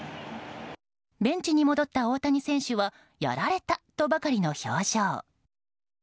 ベンチに戻った大谷選手はやられたとばかりの表情。